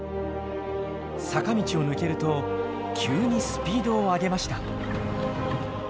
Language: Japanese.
坂道を抜けると急にスピードを上げました。